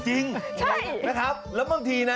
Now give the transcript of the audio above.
จริงนะครับแล้วบางทีนะ